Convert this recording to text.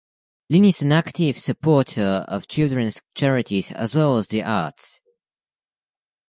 Linn is an active supporter of children's charities as well as the arts.